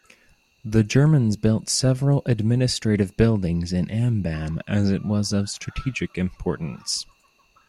The Germans built several administrative buildings in Ambam as it was of strategic importance.